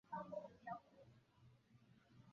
我对未来有信心